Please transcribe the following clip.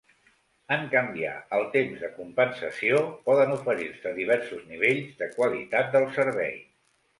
En canviar el temps de compensació, poden oferir-se diversos nivells de qualitat del servei.